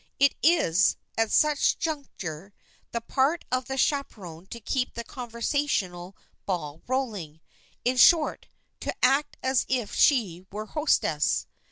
It is, at such a juncture, the part of the chaperon to keep the conversational ball rolling,—in short, to act as if she were hostess.